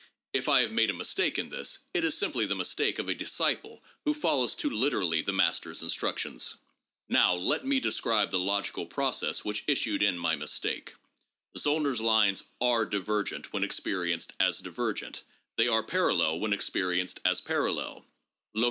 If I have made a mistake in this, it is simply the mistake of a disciple who follows too literally the master's instructions. Now let me describe the logical process which issued in my mistake. Zollner's lines " are divergent " when experienced as divergent ; they are parallel when experienced as parallel (Zoc.